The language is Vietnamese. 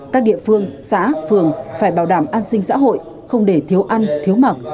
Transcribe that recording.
các địa phương xã phường phải bảo đảm an sinh xã hội không để thiếu ăn thiếu mặc